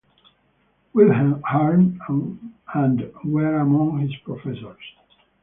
Wilhelm Arndt and were among his professors.